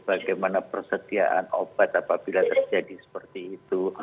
bagaimana persediaan obat apabila terjadi seperti itu